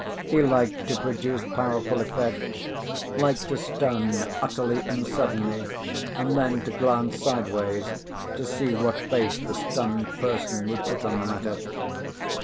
He liked to produce powerful effects, liked to stun utterly and suddenly, and then to glance sideways to see what face the stunned person would put on the matter.